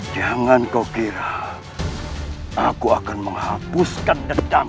jangan kau kira aku akan menghapuskan dendam